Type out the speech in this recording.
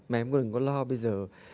mà em cũng đừng có lo bây giờ